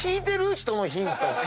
人のヒント。